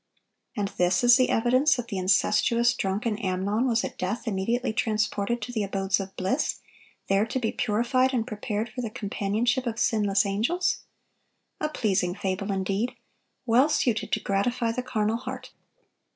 And this is the evidence that the incestuous, drunken Amnon was at death immediately transported to the abodes of bliss, there to be purified and prepared for the companionship of sinless angels! A pleasing fable indeed, well suited to gratify the carnal heart!